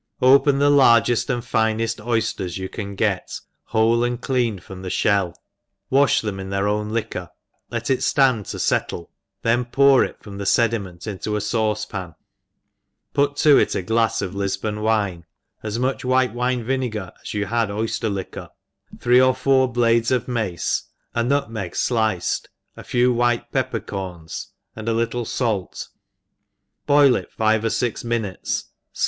OPEN^he largeft and fineft oyfters you caq get, whole and clean from the fhell, wafli them in their own liquor, let it ftand to fettle, then pour it from the fediment into a fauce pan, put to it a glafs of Lifbon wine, as much white wine vinegar as you had oyfter liquor, three or four blades of mace, a nutmet fliced, a few white pepper corns, and a little fait, boil it five or fix minutes^ ENGLISH HOUSE XEEPER. 43.